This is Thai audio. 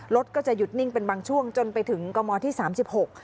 รถก็จะหยุดนิ่งเป็นบางช่วงจนไปถึงกมที่สามสิบหก